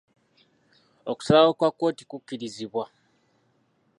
Okusalawo kwa kkooti ku kirizibwa.